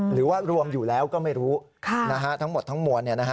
หรือว่ารวมอยู่แล้วก็ไม่รู้ทั้งหมดทั้งมวล